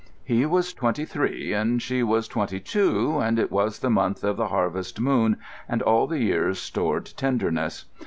He was twenty three and she was twenty two, and it was the month of the harvest moon and all the year's stored tenderness.